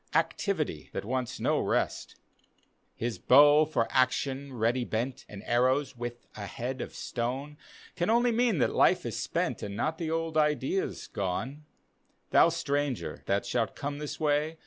Activity, that wants no rest D,gt,, erihyGOOglC The Indian Burying Ground His bow for action ready bent, And arrows with a head of stone, Can only mean that life is spent, And not the old ideas gone. Thou, stranger that shalt come this way.